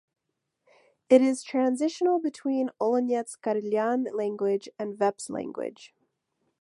It is transitional between Olonets Karelian language and Veps language.